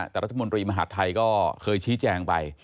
แต่รัฐมนตรีมหาดไทยก็เคยชี้แจงไป